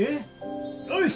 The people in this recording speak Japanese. よし！